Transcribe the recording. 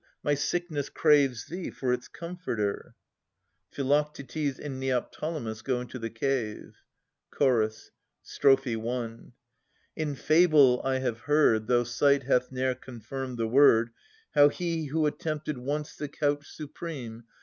My sickness craves thee for its comforter. [Philoctetes and Neoptolemus go into the cave. Chorus. Strophe I. In fable I have heard, Though sight hath ne'er confirmed the word, How he who attempted once the couch supreme.